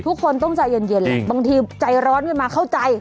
ทุกคนต้องใจเย็นแหละบางทีใจร้อนขึ้นมาเข้าใจ